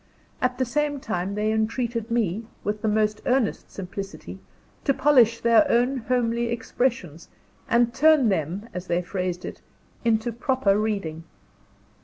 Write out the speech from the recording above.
At the same time they entreated me, with the most earnest simplicity, to polish their own homely expressions; and turn them, as they phrased, it, into proper reading.